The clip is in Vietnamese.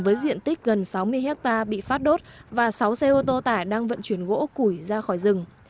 với diện tích gần sáu mươi hectare bị phát đốt và sáu xe ô tô tải đang vận chuyển gỗ củi ra khỏi rừng